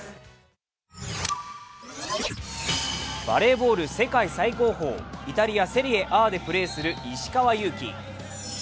バレーボール世界最高峰イタリア・セリエＡでプレーする石川祐希。